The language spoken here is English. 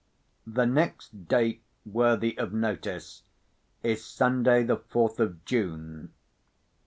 The next date worthy of notice is Sunday the fourth of June.